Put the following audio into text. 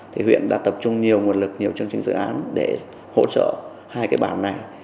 thì huyện đã tập trung nhiều nguồn lực nhiều chương trình dự án để hỗ trợ hai cái bản này